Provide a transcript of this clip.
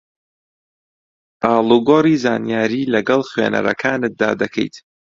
ئاڵوگۆڕی زانیاری لەگەڵ خوێنەرەکانتدا دەکەیت